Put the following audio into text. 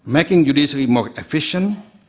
membuat judisi lebih efisien